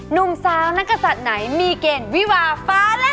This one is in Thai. หนุ่มสาวนักศัตริย์ไหนมีเกณฑ์วิวาฟ้าและ